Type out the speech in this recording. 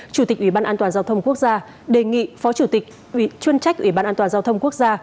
chủ tịch ủy ban an toàn giao thông quốc gia đề nghị phó chủ tịch chuyên trách ủy ban an toàn giao thông quốc gia